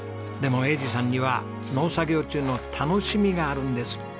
でも栄治さんには農作業中の楽しみがあるんです。